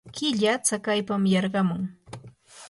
killa tsakaypam yarqamun.